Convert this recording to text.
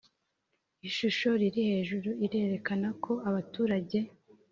Ishusho iri hejuru irerekana ko abaturage